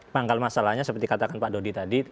pangkal masalahnya seperti katakan pak dodi tadi